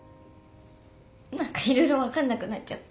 何か色々分かんなくなっちゃって。